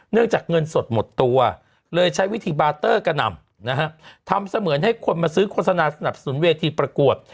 จากเงินสดหมดตัวเลยใช้วิธีบาเตอร์กระหน่ำนะฮะทำเสมือนให้คนมาซื้อโฆษณาสนับสนุนเวทีประกวด